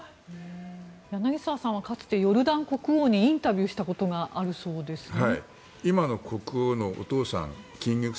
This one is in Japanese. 柳澤さんはかつてヨルダン国王にインタビューしたことがあるそうですね。